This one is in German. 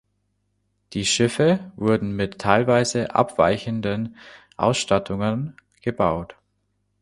Die Schiffe wurden mit teilweise abweichenden Ausstattungen gebaut.